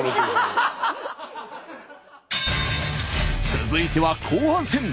続いては後半戦。